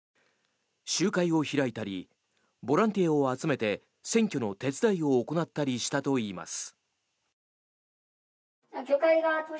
集会を開いたりボランティアを集めて選挙の手伝いを行ったりしたといいます。